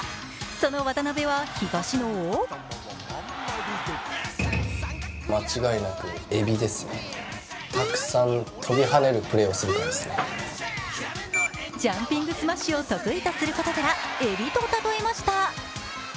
その渡辺は東野をジャンピングスマッシュを得意とすることからえびと例えました。